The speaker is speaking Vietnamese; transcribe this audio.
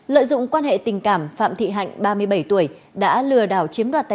lợi dụng quan hệ tình cảm phạm thị hạnh ba mươi bảy tuổi đã lừa đảo chiếm đoạt tài